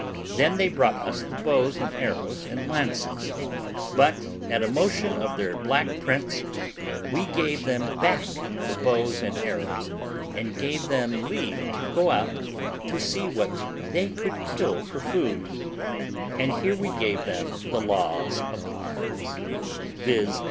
Then they brought us the bows and arrows and lances; but, at a motion of their black prince, we gave them back the bows and arrows, and gave them leave to go out to see what they could kill for food; and here we gave them the laws of arms, viz.